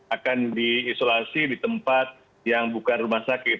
akan diisolasi di tempat yang bukan rumah sakit